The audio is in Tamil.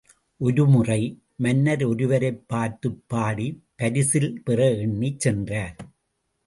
—— ஒருமுறை, மன்னர் ஒருவரைப் பார்த்துப் பாடிப் பரிசில் பெறஎண்ணிச் சென்றார்.